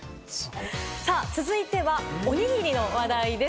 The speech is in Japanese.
続いては、おにぎりの話題です。